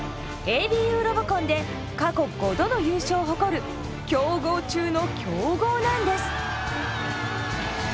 ＡＢＵロボコンで過去５度の優勝を誇る強豪中の強豪なんです。